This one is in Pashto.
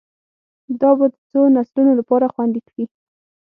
دا به د څو نسلونو لپاره خوندي کړي